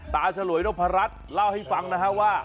ตาชะหร่วยนกพระรัชเล่าให้ฟังนะครับว่า